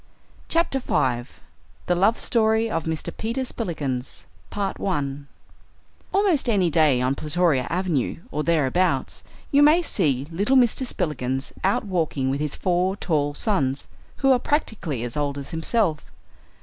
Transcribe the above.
CHAPTER FIVE: The Love Story of Mr. Peter Spillikins Almost any day, on Plutoria Avenue or thereabouts, you may see little Mr. Spillikins out walking with his four tall sons, who are practically as old as himself.